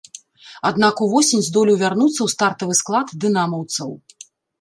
Аднак увосень здолеў вярнуцца ў стартавы склад дынамаўцаў.